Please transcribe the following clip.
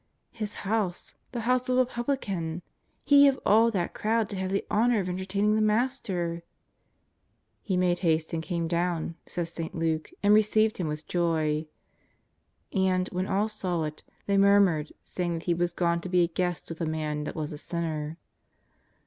'' His house ! the house of a publican ! He of all that crowd to have the honour of entertaining the Master! " He made haste and came doAvn," says St. Luke, " and received Him with joy. And, when all saw it, they murmured, saying that He was gone to be a guest with a man that w^as a sinner.''